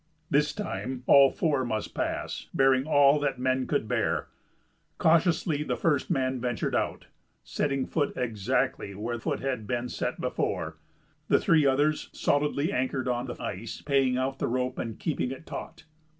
This time all four must pass, bearing all that men could bear. Cautiously the first man ventured out, setting foot exactly where foot had been set before, the three others solidly anchored on the ice, paying out the rope and keeping it taut.